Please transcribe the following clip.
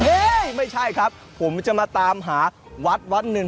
เฮ้ยไม่ใช่ครับผมจะมาตามหาวัดหนึ่ง